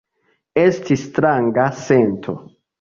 Estis stranga sento.